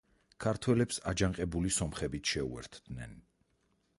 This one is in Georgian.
ქართველებს აჯანყებული სომხებიც შეუერთდნენ.